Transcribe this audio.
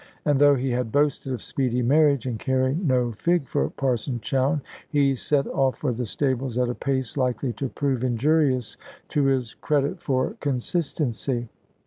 And though he had boasted of speedy marriage, and caring no fig for Parson Chowne, he set off for the stables at a pace likely to prove injurious to his credit for consistency.